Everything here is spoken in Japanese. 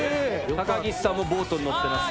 高岸さんもボートに乗ってます。